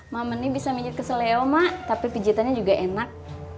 mama nih bisa mijit ke seleo mak tapi pijitannya juga enak